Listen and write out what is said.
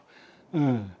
うん。